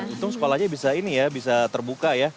untung sekolahnya bisa ini ya bisa terbuka ya